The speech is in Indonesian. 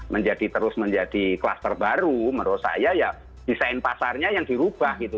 menjadi terus menjadi kluster baru menurut saya ya desain pasarnya yang dirubah gitu